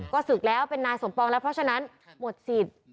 ก็ศึกแล้วเป็นนายสมปองแล้วเพราะฉะนั้นหมดสิทธิ์